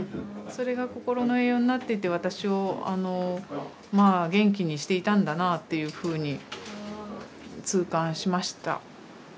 それがこころの栄養になってて私をあのまあ元気にしていたんだなぁっていうふうに痛感しました。